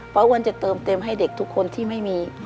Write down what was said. เพราะอ้วนจะเติมเต็มให้เด็กทุกคนที่ไม่มี